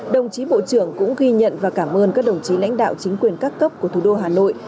đồng chí bộ trưởng cũng ghi nhận và cảm ơn các đồng chí lãnh đạo chính quyền các cấp của thủ đô hà nội